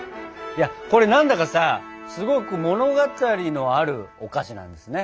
いやこれ何だかさすごく物語のあるお菓子なんですね。